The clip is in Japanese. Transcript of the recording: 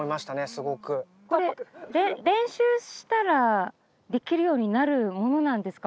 すごくこれ練習したらできるようになるものなんですか？